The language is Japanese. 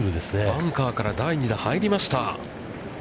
バンカーから第２打、入りました。